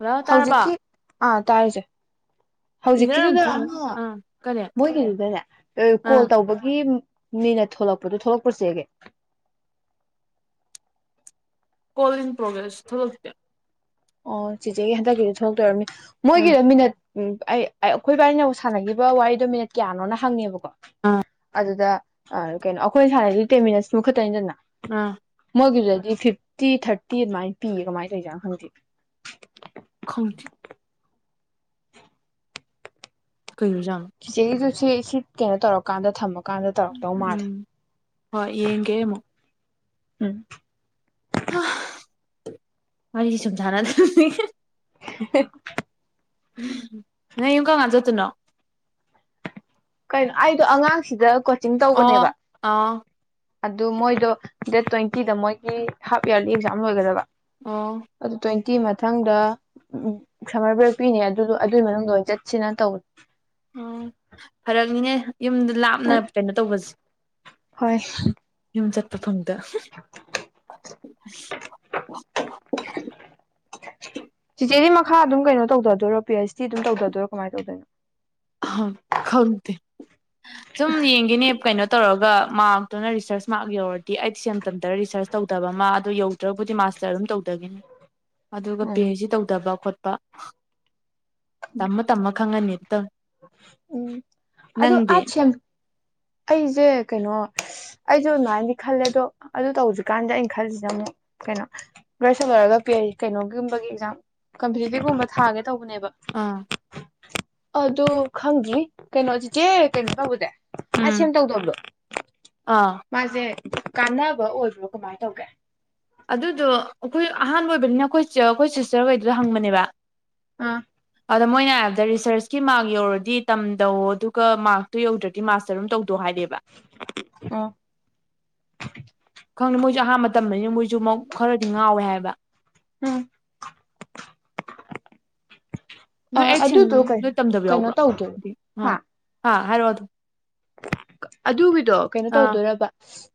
Hello ꯇꯥꯔꯕ ꯍꯧꯖꯤꯛꯀꯤ ꯑꯥ ꯇꯥꯔꯤ ꯆꯦ ꯏꯔꯔ ꯍꯧꯖꯤꯛꯀꯤꯗꯨꯗ ꯊꯣꯛꯂꯛ ꯑꯃ ꯑꯥ ꯀꯔꯤ ꯃꯣꯏꯒꯤꯗꯨꯗꯅꯦ ꯑ ꯑꯥ ꯀꯣꯜ ꯇꯧꯕꯒꯤ ꯃꯤꯅꯠ ꯊꯣꯛꯂꯛꯄꯗꯣ ꯊꯣꯛꯂꯛꯄ꯭ꯔꯣ ꯆ‌ꯦꯒꯤ ꯀꯣꯜ ꯏꯟ ꯄ꯭ꯔꯣꯒ꯭ꯔꯦꯁ ꯊꯣꯛꯂꯛꯇꯦ ꯑꯣ ꯆꯤꯆꯦꯒꯤ ꯍꯟꯗꯛꯀꯤꯁꯨ ꯊꯣꯛꯂꯛꯇꯣꯏ ꯑꯣꯏꯔꯝꯃꯤ ꯎꯝ ꯃꯣꯏꯒꯤꯗ ꯃꯤꯅꯠ ꯎꯝ ꯑꯩ ꯑꯩꯈꯣꯏ ꯏꯕꯥꯅꯤꯅ ꯁꯥꯟꯅꯈꯤꯕ ꯋꯥꯔꯤꯗꯣ ꯃꯤꯅꯠ ꯀꯌꯥꯅꯣꯅ ꯍꯪꯉꯦꯕ ꯑꯥ ꯑꯗꯨꯗ ꯑ ꯀꯩꯅꯣ ꯑꯩꯈꯣꯏꯅ ꯁꯥꯟꯅꯩꯁꯤ ꯇꯦꯟ ꯃꯤꯅꯠꯁꯃꯨꯛ ꯈꯠꯇꯅꯤꯗꯅ ꯑꯥ ꯃꯣꯏꯒꯤꯗꯨꯗꯗꯤ ꯐꯤꯐꯇꯤ ꯊꯥꯔꯇꯤ ꯑꯗꯨꯃꯥꯏꯅ ꯄꯤꯌꯦ ꯀꯃꯥꯏꯅ ꯇꯧꯢ ꯖꯥꯠꯅꯣ ꯈꯪꯗꯦ ꯈꯪꯗꯤ ꯀꯩꯑꯣꯏꯔꯤꯖꯥꯠꯅꯣ ꯆꯤꯆꯦꯒꯤ ꯆꯦ ꯁꯤ ꯀꯩꯅꯣ ꯇꯧꯔꯀꯥꯟꯗ ꯊꯝꯃꯣ ꯀꯥꯟꯗ ꯇꯧꯔꯛꯇꯧ ꯎꯝ ꯃꯥꯜꯂꯤ ꯍꯣꯏ ꯌꯦꯡꯒꯦ ꯑꯃꯨꯛ ꯎꯝ ꯍꯥ ꯋꯥꯔꯤꯁꯤ ꯁꯨꯝ ꯁꯥꯟꯅꯗ꯭ꯔꯗꯤ [unintelligible] ꯅꯪ ꯌꯨꯝ ꯀꯝꯀꯥꯟ ꯆꯠꯇꯣꯏꯅꯣ ꯀꯩꯅꯣ ꯑꯩꯗꯣ ꯑꯉꯥꯡ ꯁꯤꯗ ꯀꯣꯆꯤꯡ ꯑꯣ ꯇꯧꯕꯅꯦꯕ ꯑꯥ ꯑꯗꯨ ꯃꯣꯏꯗꯣ ꯗꯦꯠ ꯇ꯭ꯋꯦꯟꯇꯤꯗ ꯃꯣꯏꯒꯤ ꯍꯥꯞ ꯏꯌꯥꯔꯂꯤ ꯑꯦꯛꯖꯥꯝ ꯂꯣꯏꯒꯗꯕ ꯑꯣ ꯑꯗꯨ ꯇ꯭ꯋꯦꯟꯇꯤ ꯃꯊꯪꯗ ꯎꯝ ꯁꯝꯃꯔ ꯕ꯭ꯔꯦꯛ ꯄꯤꯅꯦ ꯑꯗꯨꯗꯣ ꯑꯗꯨꯏ ꯃꯅꯨꯡꯗ ꯑꯣꯏꯅ ꯆꯠꯁꯤꯅ ꯇꯧ ꯑꯪ ꯐꯔꯛꯅꯤꯅꯦ ꯌꯨꯝꯗ ꯂꯥꯞꯅ ꯎꯝ ꯀꯩꯅꯣ ꯇꯧꯕꯁꯤ ꯍꯣꯏ ꯌꯨꯝ ꯆꯠꯄ ꯐꯡꯗ ꯆꯤꯆꯦꯗꯤ ꯃꯈꯥ ꯑꯗꯨꯝ ꯀꯩꯅꯣ ꯇꯧꯗꯥ ꯗꯣꯢꯔꯣ ꯄꯤ ꯑꯩꯆ ꯗꯤ ꯑꯗꯨꯝ ꯇꯧꯗꯣꯏꯔꯣ ꯀꯃꯥꯏ ꯇꯧꯗꯣꯏ ꯑꯍꯪ ꯈꯪꯗꯦ ꯁꯨꯝ ꯌꯦꯡꯈꯤꯅꯦ ꯀꯩꯅꯣ ꯇꯧꯔꯒ ꯃꯥꯔꯛꯇꯨꯅ ꯔꯤꯁꯔꯁ ꯃꯥꯔꯛ ꯌꯧꯔꯗꯤ ꯑꯩꯠ ꯁꯦꯝ ꯇꯝꯗꯔ ꯔꯤꯁꯔꯁ ꯇꯧꯗꯕ ꯃꯥ ꯑꯗꯨ ꯌꯧꯗ꯭ꯔꯕꯨꯗꯤ ꯃꯥꯁꯇꯔ ꯑꯗꯨꯝ ꯇꯧꯗꯅꯤ ꯑꯗꯨꯒ ꯄꯤ ꯎꯝ ꯑꯩꯩꯆ ꯇꯧꯗꯕ ꯈꯣꯠꯄ ꯇꯝꯃ ꯇꯝꯃ ꯈꯪꯉꯅꯤ ꯅꯤꯠꯇ ꯎꯝ ꯑꯗꯣ ꯑꯥꯢꯠꯁꯦꯝ ꯑꯩꯁꯦ ꯀꯩꯅꯣ ꯑꯩꯁꯨ ꯑꯗꯨꯃꯥꯏꯅꯗꯤ ꯈꯜꯂꯦ ꯑꯗꯣ ꯑꯗꯨ ꯇꯧꯗꯔꯤꯀꯥꯟꯗ ꯑꯩꯅ ꯈꯜꯂꯤꯁꯤꯅ ꯑꯃꯨꯛ ꯀꯩꯅꯣ ꯒ꯭ꯔꯦꯖꯦꯁꯟ ꯂꯣꯢꯔꯒ ꯄꯤ ꯑꯩ ꯀꯩꯅꯣꯒꯨꯝꯕꯒꯤ ꯑꯦꯛꯖꯥꯝ ꯀꯝꯄꯤꯇꯤꯇꯤꯚꯀꯨꯝꯕ ꯊꯥꯒꯦ ꯇꯧꯕꯅꯦꯕ ꯑꯥ ꯑꯗꯨ ꯈꯪꯗ꯭ꯔꯤ ꯀꯩꯅꯣꯆꯤꯆꯦ ꯀꯩꯅꯣ ꯇꯧꯕꯗ ꯑꯥꯢꯠꯁꯦꯝ ꯇꯧꯗꯕꯗꯣ ꯑꯥ ꯃꯥꯁꯦ ꯀꯥꯟꯅꯕ ꯑꯣꯏꯕ꯭ꯔꯣ ꯀꯃꯥꯏ ꯇꯧꯒꯦ ꯑꯗꯨꯗꯣ ꯑꯩꯈꯣꯏ ꯑꯍꯥꯟꯕ ꯑꯣꯏꯕꯅꯤꯅ ꯑꯩꯈꯣꯏ ꯑꯩꯈꯣꯏ ꯁꯤꯁꯇꯔꯈꯩꯗꯨꯗ ꯍꯪꯕꯅꯦꯕ ꯑꯥ ꯑꯗ ꯃꯣꯏꯅ ꯍꯥꯏꯔꯕꯗ ꯔꯤꯁꯔꯁꯀꯤ ꯃꯥꯔꯛ ꯌꯧꯔꯗꯤ ꯇꯝꯗꯧꯑꯣ ꯑꯗꯨꯒ ꯃꯥꯔꯛꯇꯨ ꯌꯧꯗ꯭ꯔ ꯗꯤ ꯃꯥꯁꯇꯔ ꯗꯨꯝ ꯇꯧꯗꯧ ꯍꯥꯏꯔꯦꯕ ꯎꯝ ꯈꯪꯗꯦ ꯃꯣꯏꯁꯨ ꯑꯍꯥꯟꯕ ꯇꯝꯕꯅꯤꯅ ꯃꯣꯏꯁꯨꯃꯛ ꯈꯔꯗꯤ ꯉꯥꯎꯋꯦ ꯍꯥꯏꯕ ꯎꯝ ꯅꯣꯏ ꯑꯥꯢꯠꯁꯦꯡ ꯑꯗꯨꯗꯣ ꯑꯗꯨꯝ ꯀꯩꯅꯣ ꯅꯣꯏ ꯇꯝꯗꯕ ꯀꯩꯅꯣ ꯌꯥꯎꯕ꯭ꯔꯣ ꯇꯧꯗꯣꯏꯕ ꯗꯤ ꯑꯥꯥ ꯍꯥ ꯍꯥꯏꯔꯛꯑꯣ ꯑꯗꯨ ꯑꯗꯨꯒꯤꯗꯣ ꯀꯩꯅꯣ ꯑꯥ ꯇꯧꯗꯣꯏꯔꯕ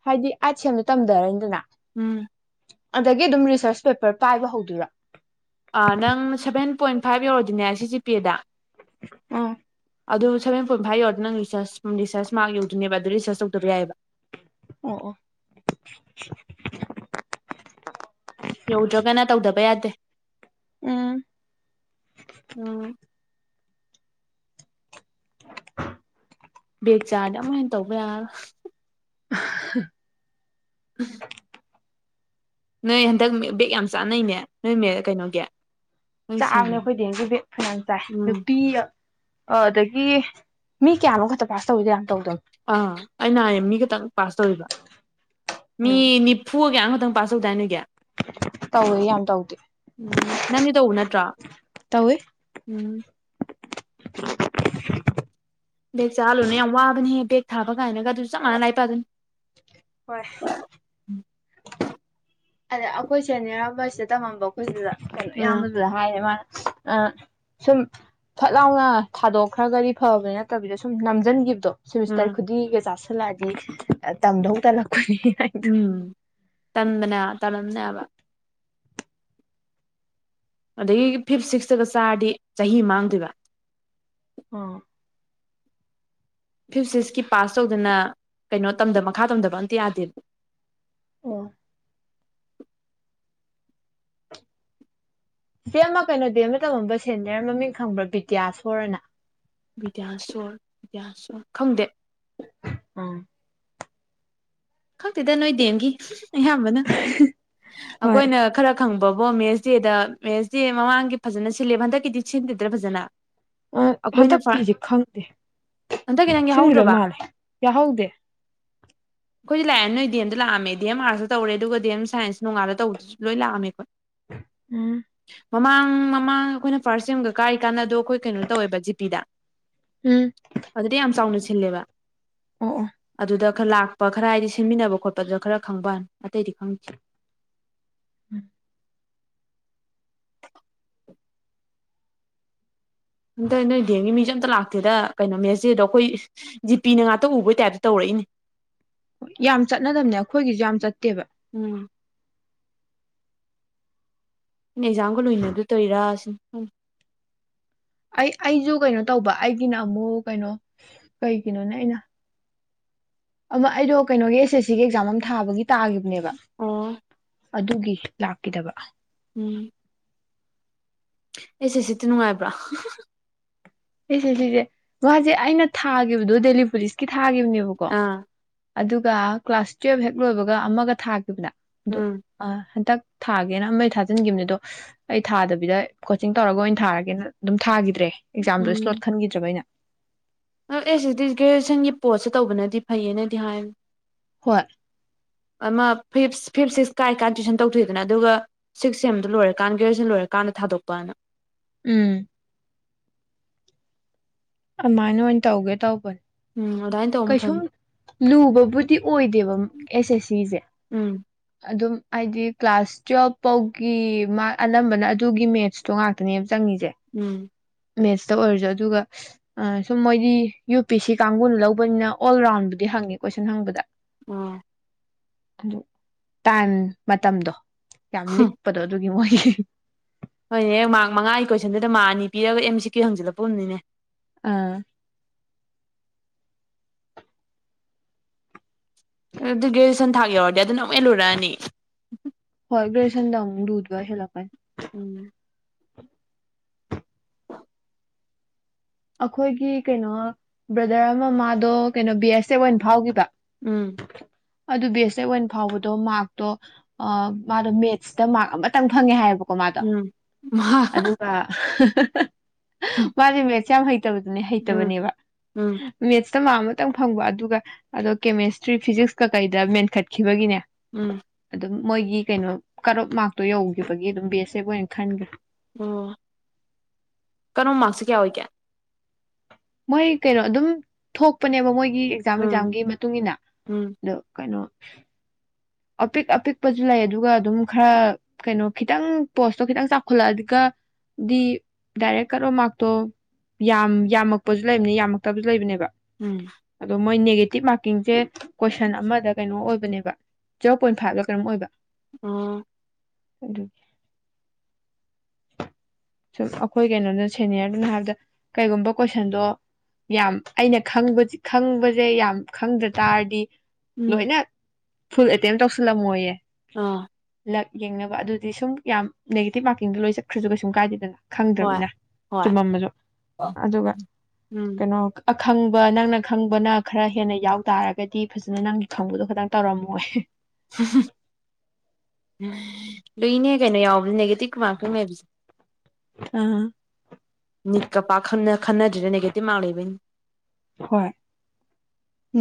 ꯍꯥꯏꯗꯤ ꯑꯥꯏꯠ ꯁꯦꯝꯗꯣ ꯇꯝꯊꯔꯅꯤꯗꯅ ꯎꯝ ꯑꯗꯒꯤ ꯗꯨꯝ ꯔꯤꯁꯔꯁ ꯄꯦꯄꯔ ꯄꯥꯏꯕ ꯍꯧꯗꯨꯏꯔꯣ ꯑꯥ ꯅꯪ ꯁꯚꯦꯟ ꯄꯣꯏꯟ ꯐꯥꯏꯚ ꯌꯧꯔꯗꯤꯅꯦ ꯁꯤ ꯖꯤ ꯄꯤꯑꯦꯗ ꯎꯝ ꯑꯗꯨ ꯁꯕꯦꯟ ꯄꯣꯏꯟ ꯐꯥꯏꯚ ꯌꯎꯔꯗ ꯅꯪ ꯔꯤꯁꯔꯁ ꯔꯤꯁꯔꯁ ꯃꯥꯔꯜ ꯌꯧꯗꯨꯅꯦꯕ ꯑꯗꯨ ꯔꯤꯁꯔꯁ ꯇꯧꯗꯕ ꯌꯥꯢꯌꯦꯕ ꯑꯣ ꯑꯣ ꯌꯧꯗ꯭ꯔꯒꯅ ꯇꯧꯗꯕ ꯌꯥꯗꯦ ꯎꯝ ꯎꯝ ꯕꯦꯛ ꯆꯥꯔꯗꯤ ꯑꯃꯨꯛ ꯍꯦꯟꯅ ꯇꯧꯕ ꯌꯥ꯭ꯔꯣꯏ [unintelligible] ꯅꯣꯏ ꯍꯟꯗꯛ ꯕꯦꯛ ꯌꯥꯝ ꯆꯥꯅꯩꯅꯦ ꯅꯣꯏ ꯀꯩꯅꯣꯒꯤ ꯅꯣꯏ ꯁꯦꯝ ꯆꯥꯕꯅꯦ ꯑꯩꯈꯣꯏ ꯗꯤꯑꯦꯝꯒꯤ ꯕꯦꯛ ꯐꯅꯌꯥꯝ ꯆꯥꯏ ꯎꯝ ꯅꯨꯄꯤ ꯑ ꯑꯗꯒꯤ ꯃꯤ ꯀꯌꯥꯅꯣꯝꯈꯛꯇ ꯄꯥꯁ ꯇꯧꯋꯤꯗ ꯌꯥꯝ ꯇꯧꯗꯕꯅꯣ꯫ ꯑꯥ ꯑꯩꯅ ꯍꯥꯏ ꯃꯤ ꯈꯇꯪ ꯄꯥꯁ ꯇꯧꯋꯦꯕ ꯃꯤ ꯎꯝ ꯅꯤ_ _ ꯐꯨꯒ ꯀꯌꯥꯅꯣꯝꯈꯇꯪ ꯄꯥꯁ ꯇꯧꯗꯥꯏ ꯅꯣꯏꯒꯤ꯫ ꯇꯧꯋꯦ ꯌꯥꯝ ꯇꯧꯗꯦ ꯎꯝ ꯅꯪꯗꯤ ꯇꯧꯕ ꯅꯠꯇ꯭ꯔꯣ꯫ ꯇꯧꯋꯤ [unintelligible] ꯕꯦꯛ ꯆꯥꯍꯜꯂꯨꯅꯣ ꯌꯥꯝ ꯋꯥꯕꯅꯤꯍꯦ ꯕꯦꯛ ꯊꯥꯕ ꯀꯥꯏꯅꯒ ꯑꯗꯨ ꯆꯄ ꯃꯥꯅ꯭ꯅꯥ ꯂꯥꯏꯛ ꯄꯥꯗꯣꯏꯅꯤ꯫ ꯍꯣꯏ꯫ ꯑꯗ ꯑꯈꯣꯏ ꯁꯦꯅꯤꯌꯔ ꯑꯃꯥ ꯁꯤꯗ ꯇꯝꯃꯝꯕ ꯑꯩꯈꯣꯏ ꯗꯨꯗ ꯀꯩꯅꯣ ꯎꯝ ꯑꯌꯥꯝꯕꯗꯨꯗ ꯍꯥꯏꯅꯦ ꯃꯥꯅ ꯑ_ _ ꯁꯨꯝ ꯐꯠ ꯂꯥꯎꯅ ꯊꯥꯗꯣꯛꯈ꯭ꯔꯒꯗꯤ ꯐꯕꯅꯤ ꯅꯠꯇꯕꯤꯗ ꯁꯨꯝ ꯅꯝꯖꯟꯒꯤꯕꯗꯣ_ _ ꯁꯦꯃꯤꯁꯇꯔ ꯎꯝ ꯈꯨꯗꯤꯒꯤꯒ ꯆꯥꯁꯤꯜꯂꯛꯑꯗꯤ ꯑ ꯇꯝꯗꯧ ꯇꯜꯂꯛꯄꯅꯤ꯫ ꯍꯥꯏꯗꯣ ꯎꯝ ꯇꯟꯕꯅꯦ ꯇꯂꯝꯅꯦꯕ꯫ ꯑꯗꯒꯤ ꯐꯤꯞ ꯁꯤꯛꯁꯇꯒ ꯆꯥꯔꯗꯤ ꯆꯍꯤ ꯃꯥꯡꯗꯣꯏꯕ꯫ ꯑꯣ_ _ ꯐꯤꯐ ꯁꯤꯛꯁꯀꯤ ꯄꯥꯁ ꯇꯧꯗꯅ ꯀꯩꯅꯣ ꯇꯝꯗꯕ ꯃꯈꯥ ꯇꯝꯗꯕ ꯑꯝꯇ ꯌꯥꯗꯦꯕ꯫ ꯑꯣ ꯆꯦ ꯑꯃ ꯀꯩꯅꯣ ꯗ ꯑꯃ ꯗ ꯇꯃꯝꯕ ꯁꯦꯟꯅꯤꯌꯔ ꯃꯃꯤꯡ ꯈꯪꯕ꯭ꯔꯥ ꯕꯤꯗ꯭ꯌꯥꯁꯣꯔꯅ ꯕꯤꯗ꯭ꯌꯥꯁꯣꯔ ꯕꯤꯗ꯭ꯌꯥꯁꯣꯔ ꯈꯪꯗꯦ ꯑ ꯈꯛꯇꯦꯗ ꯅꯣꯏ ꯗꯦꯟꯒꯤ ꯑꯌꯥꯝꯕꯅ ꯍꯣꯏ ꯑꯈꯣꯏꯅ ꯈꯔ ꯈꯪꯕꯕꯣ ꯃꯦꯁ ꯗꯦꯗ ꯃꯦꯁ ꯗꯦ ꯃꯃꯥꯡꯒꯤ ꯐꯖꯅ ꯁꯤꯜꯂꯦꯕ ꯍꯟꯗꯛꯀꯤꯗꯤ ꯁꯤꯟꯗ꯭ꯔꯥꯗ ꯐꯖꯅ ꯑ ꯑꯩꯈꯣꯏꯅ ꯍꯟꯗꯛꯀꯤꯖꯦ ꯈꯪꯗꯦ ꯍꯟꯗꯛꯀꯤ ꯅꯪ ꯁꯤꯟꯒꯗꯕ ꯌꯥꯎꯍꯧꯗ꯭ꯔꯕ ꯃꯥꯜꯂꯦ ꯌꯥꯍꯧꯗꯦ ꯈꯣꯏꯗꯤ ꯂꯥꯛꯑꯦ ꯅꯣꯏ ꯗꯤ ꯑꯝ ꯗ ꯂꯑꯝꯃꯦ ꯗꯤ ꯑꯝ ꯑꯥꯔꯁꯇ ꯇꯧꯔꯦ ꯑꯗꯨꯒ ꯗꯤ ꯑꯦꯝ ꯁꯥꯟꯁ ꯅꯣꯉꯥꯜꯂ ꯇꯧꯕꯗꯨꯖꯨ ꯂꯣꯏ ꯂꯥꯑꯝꯃꯦ ꯈꯣꯏ ꯍꯨꯝ ꯃꯃꯥꯡ ꯃꯃꯥꯡ ꯑꯩꯈꯣꯏꯅ ꯐꯥꯔꯁ ꯁꯦꯝꯒ ꯀꯥꯔꯤꯀꯥꯟꯗ ꯑꯗꯣ ꯑꯩꯈꯣꯏ ꯀꯩꯅꯣ ꯇꯧꯋꯦꯕ ꯖꯤꯄꯤꯗ ꯎꯝ ꯑꯗꯨꯗꯤ ꯌꯥꯝ ꯆꯥꯎꯅ ꯁꯤꯜꯂꯦꯕ ꯑꯣ ꯑꯣ ꯑꯗꯨꯗ ꯈꯥ ꯂꯥꯛ ꯄ ꯈꯔ ꯍꯥꯏꯗꯤ ꯁꯤꯟꯃꯤꯟꯅꯕ ꯈꯣꯠꯄꯗ ꯈꯔ ꯈꯪꯕ꯭ꯋꯥꯅꯤ ꯑꯇꯩꯗꯤ ꯈꯪꯗꯦ [inaudible] ꯑꯟꯇ ꯅꯣꯏ ꯗꯦꯡꯒꯤ ꯃꯤꯖꯦ ꯑꯝꯇ ꯂꯥꯛꯇꯦꯗ ꯀꯩꯅꯣ ꯃꯦꯁꯗꯦꯗ ꯑꯩꯈꯣꯏ ꯖꯤ ꯄꯤ ꯅ ꯉꯥꯛꯇ ꯎꯕꯩ ꯇꯥꯏꯞꯇ ꯇꯧꯔꯛꯏꯅꯦ ꯌꯥꯝ ꯆꯠꯅꯗꯕꯅꯦ ꯑꯈꯣꯏꯒꯤꯖꯨ ꯌꯥꯝ ꯆꯠꯇꯦꯕ ꯎꯝ ꯑꯦꯛꯖꯥꯝꯒ ꯂꯣꯏꯅꯗꯣꯏ ꯇꯣꯏꯔ ꯁꯤ ꯑꯩ ꯑꯩꯖꯨ ꯀꯩꯅꯣ ꯇꯧꯕ ꯑꯩꯒꯤꯅ ꯑꯃꯨꯛ ꯀꯩꯅꯣ ꯀꯩꯒꯤꯅꯣꯅꯦ ꯑꯩꯅ ꯑꯃꯥ ꯑꯩꯗꯣ ꯀꯩꯅꯣꯒꯤ ꯑꯦꯁ ꯑꯦꯁ ꯁꯤꯒꯤ ꯑꯦꯛꯖꯥꯝ ꯑꯃꯥ ꯊꯥꯕꯒꯤ ꯇꯥꯒꯤꯕꯅꯦꯕ ꯑꯣ ꯑꯗꯨꯒꯤ ꯂꯥꯛꯀꯤꯗꯕ ꯎꯝ ꯑꯦꯁ ꯑꯦꯁ ꯁꯤ ꯗꯣ ꯅꯨꯡꯉꯥꯏꯕ꯭ꯔꯥ ꯑꯦꯁ ꯑꯦꯁ ꯁꯤꯖꯦ ꯃꯥꯖꯦ ꯑꯩꯅ ꯊꯥꯒꯤꯕꯗꯣ ꯗꯦꯜꯂꯤ ꯄꯨꯂꯤꯁꯀꯤ ꯊꯥꯒꯤꯕꯅꯦꯕꯀꯣ ꯑꯥ ꯑꯗꯨꯒ ꯀ꯭ꯂꯥꯁ ꯇꯨꯋꯦꯜꯕ ꯍꯦꯛ ꯂꯣꯏꯕꯒ ꯑꯃꯒ ꯊꯥꯒꯤꯗꯅ ꯑꯗꯨ ꯎꯝ ꯑ ꯍꯟꯗꯛ ꯊꯥꯒꯦꯅ ꯑꯃꯗꯤ ꯊꯥꯖꯤꯟꯒꯤꯕꯅꯦ ꯑꯗꯣ ꯑꯩ ꯊꯥꯗꯕꯤꯗ ꯀꯣꯆꯤꯡ ꯇꯧꯔꯒ ꯑꯣꯏꯅ ꯊꯥꯔꯒꯦꯅ ꯑꯗꯨꯝ ꯊꯥꯒꯤꯗ꯭ꯔꯦ ꯑꯦꯛꯖꯥꯝꯗꯣ ꯏꯁ꯭ꯂꯣꯠ ꯈꯟꯒꯤꯗ꯭ꯔꯕ ꯑꯩꯅ ꯑ ꯑꯦꯁ ꯁꯤ ꯗꯤ ꯒꯦꯖꯦꯁꯟꯒꯤ ꯄꯣꯠꯁꯨ ꯇꯧꯕꯅꯗꯤ ꯐꯩꯌꯦꯅꯗꯤ ꯍꯥꯏꯕꯅꯤ ꯍꯣꯏ ꯑꯃꯥ ꯐꯤꯞ ꯁꯤꯛꯁ ꯀꯥꯔꯤꯀꯥꯟꯗ ꯇꯨꯋꯏꯁꯟ ꯇꯧꯊꯣꯛꯑꯦꯗꯅ ꯑꯗꯨꯒ ꯁꯤꯛ ꯁꯦꯝꯗꯣ ꯂꯣꯏꯔꯀꯥꯟ ꯒ꯭ꯔꯦꯖ꯭ꯋꯦꯁꯟ ꯂꯣꯏꯔꯀꯥꯟꯗ ꯊꯥꯗꯣꯛꯄꯅ ꯎꯝ ꯑꯃꯥꯏꯅ ꯑꯣꯏꯅ ꯇꯧꯒꯦ ꯇꯧꯕꯅꯦ ꯎꯝ ꯑꯗꯥꯏꯅ ꯇꯧꯕꯅ ꯀꯩꯁꯨꯝ ꯐꯅꯤ ꯂꯨꯕꯕꯨꯗꯤ ꯑꯣꯏꯗꯦꯕ ꯑꯦꯁ ꯑꯦꯁ ꯁꯤꯖꯦ ꯎꯝ ꯑꯗꯨꯝ ꯍꯥꯏꯗꯤ ꯀ꯭ꯂꯥꯁ ꯇꯨꯋꯦꯜꯐ ꯐꯥꯎꯒꯤ ꯃꯥꯔ ꯑꯅꯝꯕꯅ ꯑꯗꯨꯒꯤ ꯃꯦꯠꯁ ꯇꯣ ꯉꯥꯛꯇꯅꯦꯕ ꯆꯪꯉꯤꯖꯦ ꯎꯝ ꯃꯦꯠꯁꯇ ꯑꯣꯏꯔꯖꯨ ꯑꯗꯨꯒ ꯑ ꯁꯨꯝ ꯃꯣꯏꯗꯤ ꯌꯨ ꯄꯤ ꯁꯤ ꯀꯥꯡꯕꯨꯅ ꯂꯧꯕꯅꯤꯅ ꯑꯣꯜ ꯔꯥꯎꯟꯕꯨꯗꯤ ꯍꯪꯉꯦ ꯀꯣꯏꯁꯟ ꯍꯪꯕꯗ ꯎꯝ ꯑꯗꯨ ꯇꯥꯏꯝ ꯃꯇꯝꯗꯣ ꯌꯥꯝ ꯂꯤꯛꯄꯗꯣ ꯑꯗꯨ [unintelligible] ꯍꯣꯏꯅꯦꯍꯦ ꯃꯥꯔꯛ ꯃꯉꯥꯒꯤ ꯀꯣꯏꯁꯟꯗꯨꯗ ꯃꯥ ꯑꯅꯤ ꯄꯤꯔꯒ ꯑꯦꯝ ꯁꯤ ꯀ꯭ꯌꯨ ꯍꯪꯖꯤꯜꯂꯛꯄ ꯒꯨꯝꯅꯤꯅꯦ ꯑꯥ ꯑꯗꯨ ꯒ꯭ꯔꯦꯁꯟ ꯊꯥꯛ ꯌꯧꯔꯗꯤ ꯑꯗꯨꯅ ꯑꯃꯛ ꯍꯦꯜꯂꯨꯔꯛꯑꯅꯤ ꯍꯣꯏ ꯒ꯭ꯔꯦꯁꯟꯗ ꯑꯃꯨꯛ ꯂꯨꯗꯣꯏ ꯍꯦꯜꯂꯛꯀꯅꯤ ꯎꯝ ꯑꯈꯣꯏꯒꯤ ꯀꯩꯅꯣ ꯕ꯭ꯔꯗꯔ ꯑꯃ ꯃꯥꯗꯣ ꯀꯩꯅꯣ ꯕꯤ ꯑꯦꯁ ꯑꯦꯐ ꯑꯣꯏꯅ ꯐꯥꯎꯒꯤꯕ ꯎꯝ ꯑꯗꯨ ꯕꯤ ꯑꯦꯁ ꯑꯦꯞ ꯑꯣꯏꯅ ꯐꯥꯎꯕꯗꯣ ꯃꯥꯔꯛꯇꯣ ꯑ ꯃꯥꯗꯣ ꯃꯦꯠꯁꯇ ꯃꯥꯔꯛ ꯑꯃꯇꯪ ꯐꯪꯉꯦ ꯍꯥꯏꯌꯦꯕ ꯀꯣꯃꯥꯗꯣ ꯎꯝ ꯑꯗꯨꯒ ꯃꯥꯖꯦ ꯃꯦꯠꯁꯦ ꯌꯥꯝ ꯍꯩ ꯍꯇꯕꯗꯨꯅꯦ ꯎꯝ ꯍꯩꯇꯕꯅꯦꯕ ꯎꯝ ꯃꯦꯠꯁꯇ ꯃꯥꯔꯛ ꯑꯃꯇꯪ ꯐꯪꯕ ꯑꯗꯨꯒ ꯑꯗꯣ ꯀꯦꯃꯦꯁꯇ꯭ꯔꯤ ꯐꯤꯖꯤꯛꯁꯀ ꯀꯩꯗ ꯃꯦꯟꯈꯠꯈꯤꯕꯒꯤꯅꯦ ꯎꯝ ꯑꯗꯨꯝ ꯃꯣꯏꯒꯤ ꯀꯩꯅꯣ ꯀꯠ ꯑꯣꯞ ꯃꯥꯔꯛꯇꯣ ꯌꯧꯒꯤꯕꯒꯤ ꯑꯗꯨꯝ ꯕꯤ ꯑꯦꯁ ꯑꯦꯞ ꯑꯣꯏꯅ ꯈꯟꯒꯔꯦ ꯑꯣ ꯀꯠ ꯑꯣꯞ ꯁꯦ ꯃꯥꯔꯛꯁꯦ ꯀꯌꯥ ꯑꯣꯏꯒꯦ ꯃꯣꯏ ꯀꯩꯅꯣ ꯑꯗꯨꯝ ꯊꯣꯛꯄꯅꯦꯕ ꯃꯣꯏꯒꯤ ꯑꯦꯛꯖꯥꯝ ꯎꯝ ꯑꯦꯛꯖꯥꯝꯒꯤ ꯃꯇꯨꯡ ꯏꯟꯅ ꯎꯝ ꯗꯣ ꯀꯩꯅꯣ ꯑꯄꯤꯛ ꯑꯄꯤꯛꯄꯖꯨ ꯂꯩ ꯑꯗꯨꯒ ꯑꯗꯨꯝ ꯈꯔ ꯀꯩꯅꯣ ꯈꯤꯇꯪ ꯄꯣꯁꯇꯣ ꯈꯤꯇꯪ ꯆꯥꯎꯈꯠꯂꯛ ꯑꯗꯨꯒ ꯗꯤ ꯗꯥꯏꯔꯦꯛ ꯀꯠ ꯑꯣꯞ ꯃꯥꯔꯛꯇꯣ ꯌꯥꯝ ꯌꯥꯝꯃꯛꯄꯖꯨ ꯂꯩꯕꯅꯦ ꯌꯥꯝꯃꯛꯇꯕꯖꯨ ꯂꯩꯕꯅꯦꯕ ꯎꯝ ꯑꯗꯣ ꯃꯣꯏ ꯅꯦꯒꯦꯇꯤꯚ ꯃꯥꯔꯀꯤꯡꯖꯦ ꯀꯣꯏꯁꯟ ꯑꯃꯗ ꯀꯩꯅꯣ ꯑꯣꯏꯕꯅꯦꯕ ꯖꯦꯔꯣ ꯄꯣꯏꯟ ꯐꯥꯏꯚꯂ ꯀꯩꯅꯣꯝ ꯑꯣꯏꯕ ꯑꯣ ꯑꯗꯨꯒꯤ ꯁꯨꯝ ꯑꯈꯣꯏ ꯀꯩꯅꯣꯅ ꯁꯦꯅꯤꯌꯔꯗꯨꯅ ꯍꯥꯏꯕꯗ ꯀꯩꯒꯨꯝꯕ ꯀꯣꯏꯁꯟꯗꯣ ꯌꯥꯝ ꯑꯩꯅ ꯈꯪꯕꯖꯤ ꯈꯪꯕꯖꯦ ꯌꯥꯝ ꯈꯪꯗ꯭ꯔ ꯇꯥꯔꯗꯤ ꯎꯝ ꯂꯣꯏꯅ ꯐꯨꯜ ꯑꯦꯇꯦꯝ ꯇꯧꯁꯜꯂꯝꯃꯣꯌꯦ ꯑꯥ ꯂꯛ ꯌꯦꯡꯅꯕ ꯑꯗꯨꯗꯤ ꯁꯨꯝ ꯌꯥꯝ ꯅꯦꯒꯦꯇꯤꯞ ꯃꯥꯔꯀꯤꯡꯗꯣ ꯂꯣꯏ ꯆꯠꯈ꯭ꯔꯖꯨ ꯀꯩꯁꯨꯝ ꯀꯥꯏꯗꯦ ꯍꯣꯏ ꯈꯪꯗ꯭ꯔꯃꯤꯅ ꯍꯣꯏ ꯆꯨꯝꯃꯝꯕꯖꯨ ꯑꯗꯨꯒ ꯎꯝ ꯀꯩꯅꯣ ꯑꯈꯪꯕ ꯅꯪꯅ ꯈꯪꯕꯅ ꯈꯔ ꯍꯦꯟꯅ ꯌꯥꯎ ꯇꯥꯔꯒꯗꯤ ꯐꯖꯅ ꯅꯪꯒꯤ ꯈꯪꯕꯗꯣ ꯈꯗꯪ ꯇꯧꯔꯝꯃꯣꯏ ꯂꯨꯏꯅꯦ ꯀꯩꯅꯣ ꯌꯥꯎꯕꯅꯤ ꯅꯦꯒꯦꯇꯤꯞ ꯃꯥꯔꯀꯤꯡ ꯂꯩꯕꯖꯤ ꯑꯥ ꯅꯤꯠꯀ ꯄꯥꯛ ꯈꯪꯅ ꯈꯟꯅꯗ꯭ꯔꯤꯅ ꯅꯦꯒꯦꯇꯤꯞ ꯃꯥꯛ ꯂꯩꯕꯩꯅꯤ ꯍꯣꯏ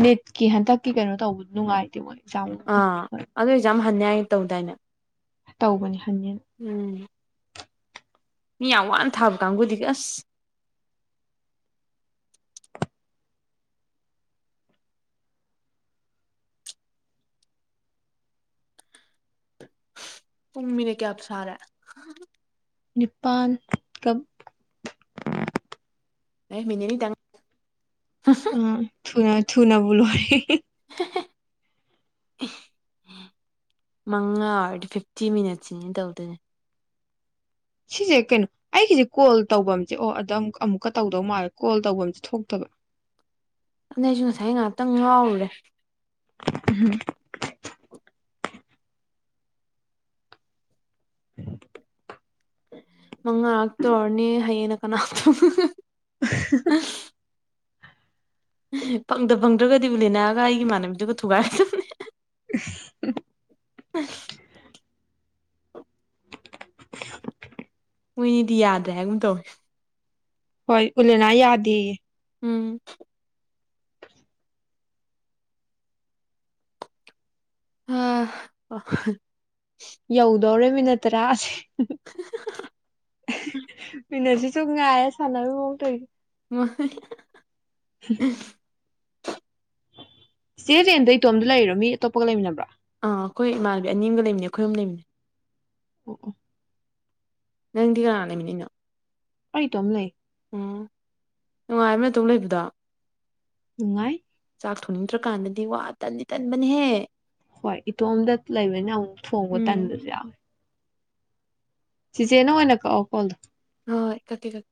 ꯅꯤꯠꯀꯤ ꯍꯟꯇꯛꯀꯤ ꯀꯩꯅꯣ ꯇꯧꯕ ꯅꯨꯡꯉꯥꯏꯇꯦ ꯃꯣꯏꯒꯤ [unintelligible] ꯑꯗꯨꯑꯣ ꯑꯦꯛꯖꯥꯝ ꯍꯟꯅꯤ ꯍꯥꯏꯒꯨꯝ ꯇꯧꯗꯥꯏꯅꯦ ꯇꯧꯕꯅꯦ ꯍꯟꯅꯦꯅ ꯎꯝ ꯃꯤ ꯌꯥꯝ ꯋꯥꯅ ꯊꯥꯕ ꯀꯥꯡꯒꯨꯗꯤ ꯑꯁ ꯄꯨꯡ ꯃꯤꯅꯤꯠ ꯀꯌꯥꯝ ꯁꯥꯔꯦ ꯅꯤꯄꯥꯟ ꯀꯝ ꯑꯦ ꯃꯤꯅꯤꯠ ꯑꯅꯤꯇꯪ [unintelligible] ꯎꯝ ꯊꯨꯅ ꯊꯨꯅꯕꯨ ꯂꯣꯏ꯫ [unintelligible] ꯃꯉꯥ ꯑꯣꯏꯔꯗꯤ ꯐꯤꯞꯇꯤ ꯃꯤꯅꯠꯁꯅꯦ ꯇꯧꯗꯣꯏꯅꯦ꯫ ꯁꯤꯖꯦ ꯀꯩꯅꯣ ꯑꯩꯒꯤꯖꯦ ꯀꯣꯜ ꯇꯧꯐꯝꯖꯦ ꯑꯣ ꯑꯗ ꯑꯃꯨꯛꯀ ꯇꯧꯗꯧ ꯃꯥꯜꯂꯦ ꯀꯣꯜ ꯇꯧꯕꯝꯖꯦ ꯊꯣꯛꯇꯕ꯫ ꯅꯣꯏꯖꯨ ꯉꯁꯥꯏ ꯉꯥꯛꯇꯪ ꯉꯥꯎꯔꯨꯔꯦ꯫ [unintelligible] ꯃꯉꯥꯔꯛ ꯇꯧꯔꯅꯤ ꯍꯌꯦꯡꯅ ꯀꯅꯥ [unintelligible] ꯐꯪꯗ ꯐꯪꯗ꯭ꯔꯒꯗꯤ ꯅꯤꯅꯥꯒ ꯑꯩꯒꯤ ꯏꯃꯥꯟꯅꯕꯤꯗꯨꯒ ꯊꯨꯒꯥꯏꯔꯗ [unintelligible] [unintelligible] [unintelligible] ꯃꯣꯏꯅꯤꯗꯤ ꯌꯥꯗ꯭ꯔꯦ ꯍꯥꯏꯒꯨꯝ ꯇꯧꯋꯦ꯫ ꯍꯣꯏ ꯎꯂꯦꯅꯥ ꯌꯥꯗꯦꯌꯦ꯫ ꯎꯝ꯫ [unintelligible] ꯌꯧꯗꯧꯔꯦ ꯃꯤꯅꯠ ꯇꯔꯥꯁꯦ ꯃꯤꯅꯠꯁꯤ ꯆꯨꯡꯉꯥꯏꯔ ꯁꯥꯟꯅꯕꯩ ꯃꯑꯣꯡ ꯇꯧꯏꯗꯣ꯫ [unintelligible] ꯆꯦ ꯔꯦꯟꯗ ꯏꯇꯣꯝꯇ ꯂꯩꯔꯤꯔꯣ ꯃꯤ ꯑꯇꯣꯞꯄꯒ ꯂꯩꯃꯤꯟꯅꯕ꯭ꯔꯣ꯫ ꯑꯥ ꯑꯩꯈꯣꯏ ꯏꯃꯥꯟꯅꯕꯤ ꯑꯅꯤ ꯑꯝꯒ ꯂꯩꯃꯤꯟꯅꯩ ꯑꯩꯈꯣꯏ ꯑꯍꯨꯝ ꯂꯩꯃꯤꯅꯩ꯫ ꯑꯣ ꯑꯣ꯫ ꯅꯪ ꯗꯤ ꯀꯅꯥ ꯂꯩꯃꯤꯅꯩꯅꯣ꯫ ꯑꯩ ꯇꯣꯝ ꯂꯩ꯫ ꯎꯝ ꯅꯨꯡꯉꯥꯏꯕꯔ ꯅꯇꯣꯝ ꯂꯩꯕꯗꯣ꯫ ꯅꯨꯡꯉꯥꯏ꯫ ꯆꯥꯛ ꯊꯣꯡꯅꯤꯡꯗ꯭ꯔꯀꯥꯟꯗꯗꯤ ꯋꯥ ꯇꯟꯗꯤ ꯇꯟꯕꯅꯍꯦ꯫ ꯍꯣꯏ ꯏꯇꯣꯝꯇ ꯂꯩꯕꯅꯤꯅ ꯑꯃꯨꯛ ꯊꯣꯡꯕ ꯎꯝ ꯇꯟꯕꯁꯨ ꯌꯥꯎꯋꯦ꯫ ꯆꯤꯆꯦꯅ ꯑꯣꯏꯅ ꯀꯛꯑꯣ ꯐꯣꯟꯗꯣ꯫ ꯍꯣꯏ ꯀꯛꯀꯦ ꯀꯛꯀꯦ꯫